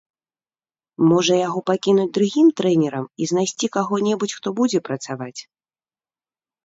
Можа, яго пакінуць другім трэнерам, і знайсці каго-небудзь, хто будзе працаваць.